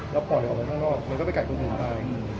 แล้วพอเดี๋ยวออกไปข้างนอกมันก็ไปไกลตรงกลุ่มใต้